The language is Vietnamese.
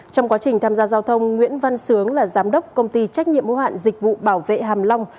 trong quá trình tham gia giao thông nguyễn văn sướng là giám đốc công ty trách nhiệm hữu hạn dịch vụ bảo vệ hàm long